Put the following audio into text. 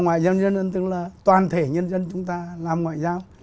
ngoại giao nhân dân tức là toàn thể nhân dân chúng ta làm ngoại giao